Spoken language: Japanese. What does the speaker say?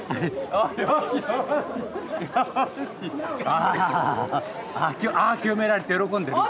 あああ清められて喜んでる。